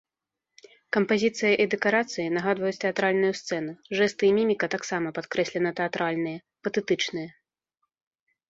Кампазіцыя і дэкарацыі нагадваюць тэатральную сцэну, жэсты і міміка таксама падкрэслена тэатральныя, патэтычныя.